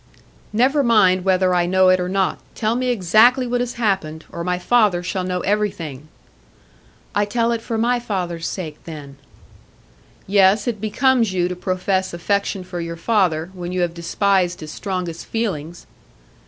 "Never mind whether I know it or not. Tell me exactly what has happened, or my father shall know everything." "I tell it for my father's sake, then." "Yes, it becomes you to profess affection for your father, when you have despised his strongest feelings."